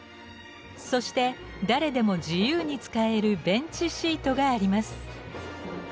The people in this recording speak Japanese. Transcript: そして誰でも自由に使えるベンチシートがあります。